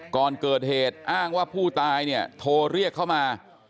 ก่อนเกิดเหตุอ้างว่าผู้ตายเนี่ยโทรเรียกเข้ามา